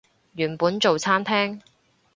原本做餐廳